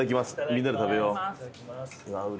みんなで食べよう。